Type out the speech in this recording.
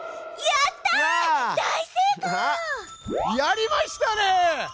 やりましたね！